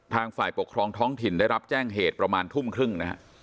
ฝ่ายปกครองท้องถิ่นได้รับแจ้งเหตุประมาณทุ่มครึ่งนะฮะ